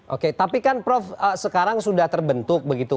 oke tapi kan prof sekarang sudah terbentuk begitu